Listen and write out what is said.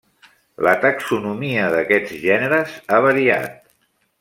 La taxonomia d'aquests gèneres ha variat.